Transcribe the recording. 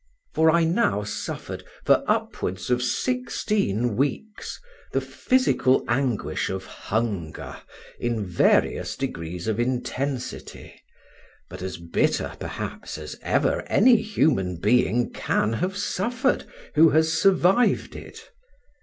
For I now suffered, for upwards of sixteen weeks, the physical anguish of hunger in various degrees of intensity; but as bitter, perhaps, as ever any human being can have suffered who has survived it.